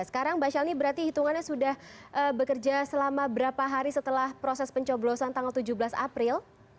sekarang mbak shelni berarti hitungannya sudah bekerja selama berapa hari setelah proses pencoblosan tanggal tujuh belas april